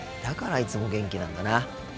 だからいつも元気なんだな。